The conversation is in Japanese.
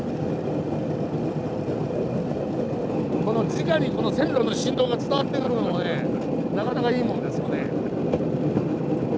じかに線路の振動が伝わってくるのもねなかなかいいもんですよね。